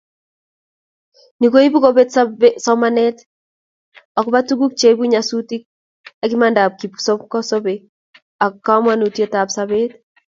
Ni koibu kobet somanet agobo tuguk cheibu nyasutik ak imandap kipkosobei ak komoutietab sobet